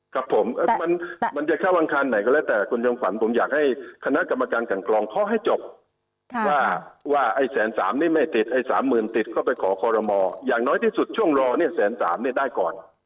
ครับผมมันจะเข้าอังคารไหนก็แล้วแต่คุณจำขวัญผมอยากให้คณะกรรมการกันกรองเขาให้จบว่าไอ้แสนสามนี่ไม่ติดไอ้สามหมื่นติดก็ไปขอคอรมออย่างน้อยที่สุดช่วงรอเนี่ยแสนสามเนี่ยได้ก่อน